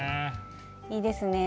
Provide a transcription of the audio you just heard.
いいですね。